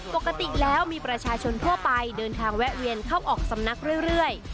ปกติแล้วมีประชาชนทั่วไปเดินทางแวะเวียนเข้าออกสำนักเรื่อย